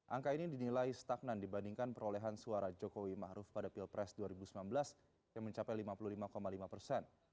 angka ini dinilai stagnan dibandingkan perolehan suara jokowi ⁇ maruf ⁇ pada pilpres dua ribu sembilan belas yang mencapai lima puluh lima lima persen